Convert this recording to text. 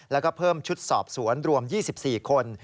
แล้วก็เพิ่มชุดสอบสวนรวม๒๔คน